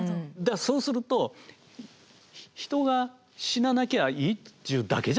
そうすると人が死ななきゃいいっちゅうだけじゃ駄目ねと。